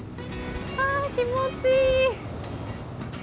気持ちいい！